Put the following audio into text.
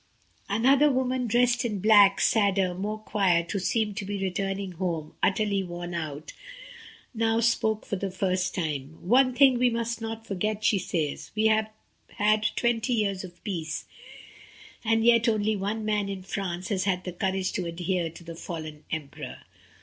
Another woman, dressed in black, sadder, more quiet, who seemed to be returning home, utterly worn out, now spoke for the first time. "One thing we must not forget," she says, "we have had twenty years of peace, and yet only one man in France has had the courage to adhere to the fallen emperor."